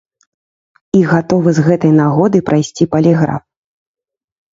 І гатовы з гэтай нагоды прайсці паліграф.